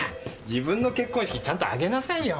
自分の結婚式ちゃんと挙げなさいよ。